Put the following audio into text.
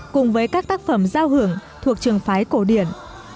cùng với các tác phẩm giao hưởng thuộc trường phái cổ điển